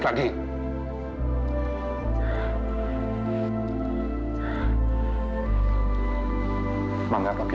pasti gak dijawab